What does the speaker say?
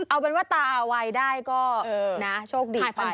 เอาเป็นว่าตาวัยได้ก็นะโชคดีไป